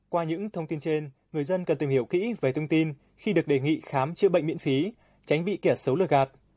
qua những thông tin trên người dân cần tìm hiểu kỹ về thông tin khi được đề nghị khám chữa bệnh miễn phí tránh bị kẻ xấu lừa gạt